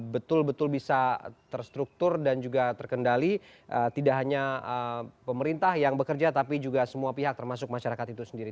betul betul bisa terstruktur dan juga terkendali tidak hanya pemerintah yang bekerja tapi juga semua pihak termasuk masyarakat itu sendiri